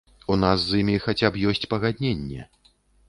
У нас з імі хаця б ёсць пагадненне.